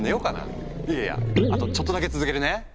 いやいやあとちょっとだけ続けるね。